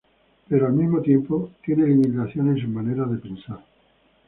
Pero, al mismo tiempo, tiene limitaciones en sus maneras de pensar.